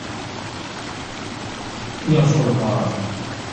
要說的話